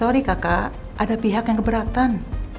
sorry kakak ada pihak yang keberatan